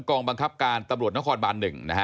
กองบังคับการตำรวจนครบาน๑นะฮะ